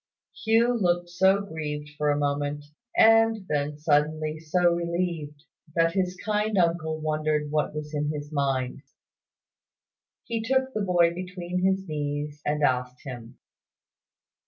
Hugh looked so grieved for a moment, and then suddenly so relieved, that his kind uncle wondered what was in his mind. He took the boy between his knees and asked him.